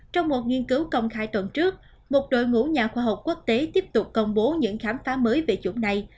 trong một nghiên cứu công khai tuần trước một đội ngũ nhà khoa học quốc tế tiếp tục công bố những khám phá mới về chủng này